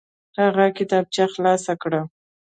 هغه کتابچه خلاصه کړه.